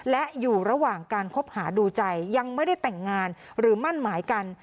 และอยู่ระหว่างการคบหาดูใจยังไม่ได้แต่งงานหรือมั่นหมายกัน